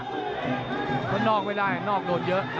เพราะนอกไม่ได้นอกโดนเยอะ